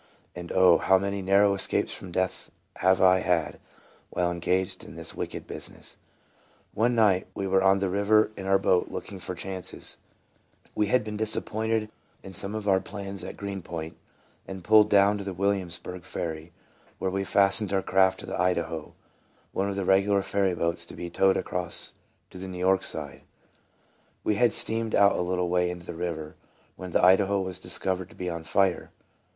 And oh, how many narrow es capes from death have I had while engaged in this .wicked business ! One night we were out on the river in our boat, looking for chances. We had been MERCIES OF GOD. 41 disappointed in some of our plans at Green Point, and pulled down to the Williamsburgh ferry, where we fastened our craft to the Idaho, one of the regular ferryboats, to be towed across to the New York side. We had steamed out a little way into the river, when the Idaho was discovered to be on fire.